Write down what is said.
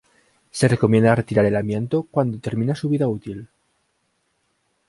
Se recomienda retirar el amianto cuando termina su vida útil.